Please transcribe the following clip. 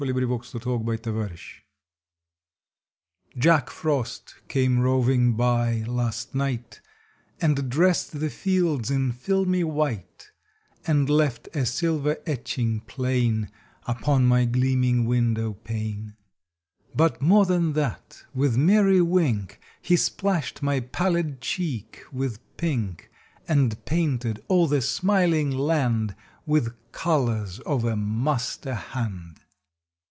October Fourteenth THE PAINTER TACK FROST came roving by last night *^ And dressed the fields in filmy white, And left a silver etching plain Upon my gleaming window pane. But more than that, with merry wink He splashed my pallid cheek with pink, And painted all the smiling land With colors of a Master hand!